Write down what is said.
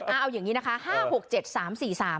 เอาอย่างนี้นะคะ๕๖๗๓๔๓